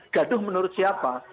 gaduh menurut siapa